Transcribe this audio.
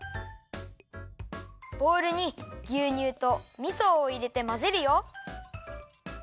ボウルにぎゅうにゅうとみそをいれてまぜるよ！